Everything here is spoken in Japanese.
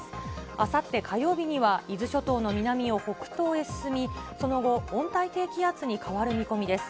あさって火曜日には伊豆諸島の南を北東へ進み、その後、温帯低気圧に変わる見込みです。